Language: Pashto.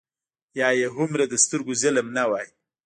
یا یې هومره د سترګو ظلم نه وای.